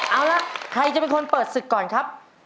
เอาล่ะใครจะเป็นคนเปิดศึกก่อนครับ